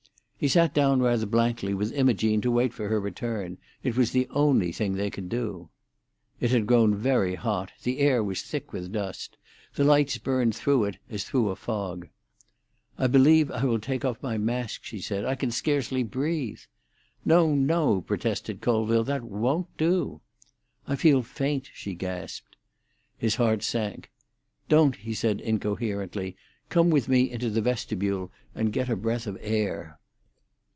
He sat down rather blankly with Imogene to wait for her return; it was the only thing they could do. It had grown very hot. The air was thick with dust. The lights burned through it as through a fog. "I believe I will take off my mask," she said. "I can scarcely breathe." "No, no," protested Colville; "that won't do." "I feel faint," she gasped. His heart sank. "Don't," he said incoherently. "Come with me into the vestibule, and get a breath of air."